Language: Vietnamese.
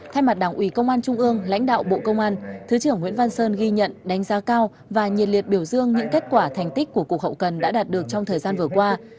thay mặt đảng ủy công an trung ương lãnh đạo bộ công an thứ trưởng nguyễn văn sơn ghi nhận đánh giá cao và nhiệt liệt biểu dương những kết quả thành tích của cục hậu cần đã đạt được trong thời gian vừa qua